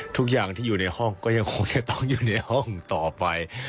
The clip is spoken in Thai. ทุกอย่างที่อยู่ในห้องก็ยังคงจะต้องอยู่ในห้องต่อไป